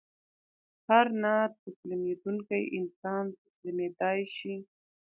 هر نه تسلیمېدونکی انسان تسلیمېدای شي